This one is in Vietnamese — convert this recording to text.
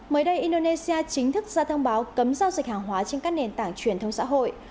mới đây indonesia chính thức ra thông báo cấm giao dịch hàng hóa trên các nền tảng truyền thông xã hội